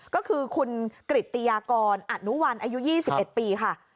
ก็คือคุณกริตติยากรอนุวัลอายุ๒๑ปีค่ะ